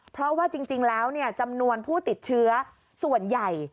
เพราะว่าจริงแล้วจำนวนผู้ติดเชื้อส่วนใหญ่